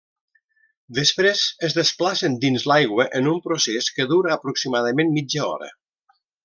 Després es desplacen dins l'aigua en un procés que dura aproximadament mitja hora.